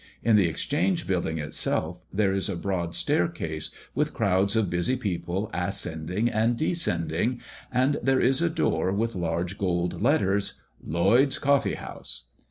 In the Exchange building itself there is a broad staircase, with crowds of busy people ascending and descending, and there is a door with large gold letters, "Lloyd's Coffee House."